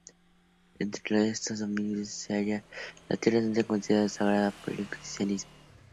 Entre estos dominios se hallaba la Tierra Santa, considerada como sagrada por el Cristianismo.